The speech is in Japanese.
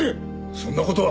そんな事は。